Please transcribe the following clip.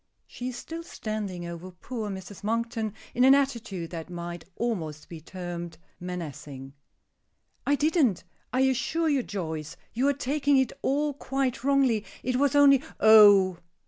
She is still standing over poor Mrs. Monkton in an attitude that might almost be termed menacing. "I didn't. I assure you, Joyce, you are taking it all quite wrongly. It was only " "Oh!